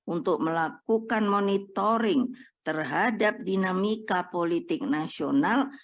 untuk melakukan monitoring terhadap dinamika politik nasional